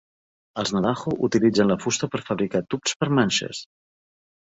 Els Navajo utilitzen la fusta per fabricar tubs per manxes.